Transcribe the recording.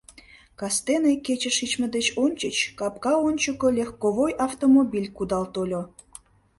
Кастене, кече шичме деч ончыч, капка ончыко легковой автомобиль кудал тольо.